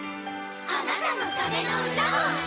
あなたのための歌を！